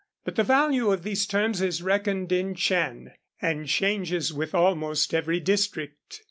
But the value of these terms is reckoned in chen, and changes with almost every district.